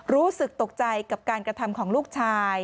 รู้สึกตกใจกับการกระทำของลูกชาย